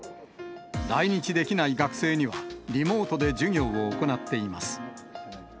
来日できない学生には、リモートで授業を行っています。